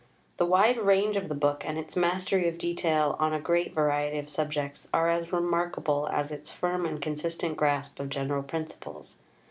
The wide range of the book, and its mastery of detail on a great variety of subjects, are as remarkable as its firm and consistent grasp of general principles.